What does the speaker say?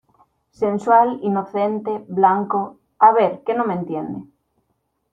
sensual, inocente , blanco. a ver , que no me entiende .